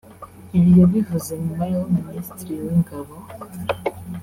Ibi yabivuze nyuma y’aho Minisitiri w’Ingabo